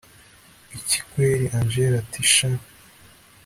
iki kweri angella ati shn